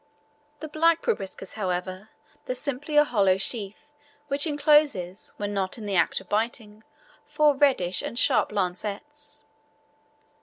The black proboscis, however, the simply a hollow sheath, which encloses, when not in the act of biting, four reddish and sharp lancets.